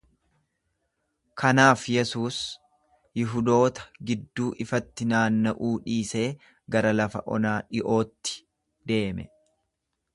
Kanaaf Yesuus Yihudoota gidduu ifatti naanna'uu dhiisee gara lafa onaa dhi'ootti deeme.